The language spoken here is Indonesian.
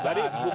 nah itu dia